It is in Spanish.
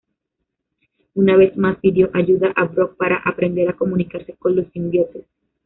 Una vez más, pidió ayuda a Brock para aprender a comunicarse con los simbiontes.